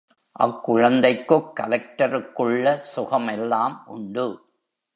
அக்குழந்தைக்குக் கலெக்டருக்குள்ள சுகம் எல்லாம் உண்டு.